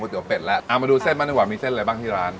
ก๋วยเตี๋ยวเป็ดแล้วอ่ามาดูเส้นมันดีกว่ามีเส้นอะไรบ้างที่ร้าน